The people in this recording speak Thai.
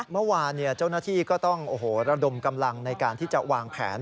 เมื่อวานเจ้าหน้าที่ก็ต้องระดมกำลังในการที่จะวางแผน